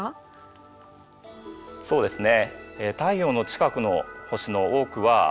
そうですね。